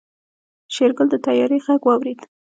شېرګل د طيارې غږ واورېد.